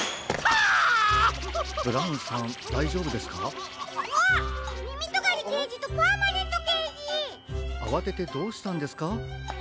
あわててどうしたんですか？